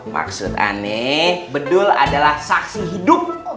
maksud aneh bedul adalah saksi hidup